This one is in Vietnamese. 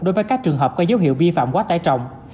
đối với các trường hợp có dấu hiệu vi phạm quá tải trọng